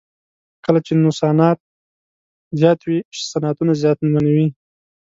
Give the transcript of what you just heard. کله چې نوسانات زیات وي صنعتونه زیانمنوي.